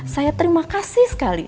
saya terima kasih sekali